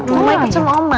lu mau nyetir sama oma